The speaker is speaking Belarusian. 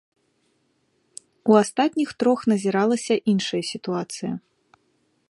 У астатніх трох назіралася іншая сітуацыя.